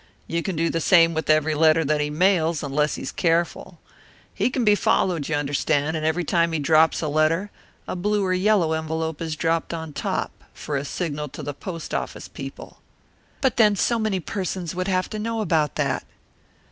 You can do the same with every letter that he mails, unless he is very careful. He can be followed, you understand, and every time he drops a letter, a blue or yellow envelope is dropped on top for a signal to the post office people." "But then, so many persons would have to know about that!"